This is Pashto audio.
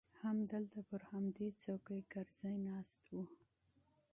همدلته پر همدې چوکۍ کرزى ناست و.